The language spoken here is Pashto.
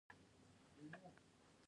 موږ خپل هویت ساتو